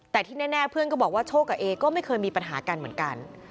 แต่ที่แน่เพื่อนก็บอกว่าโชคกับเอก็ไม่เคยมีปัญหากันเหมือนกัน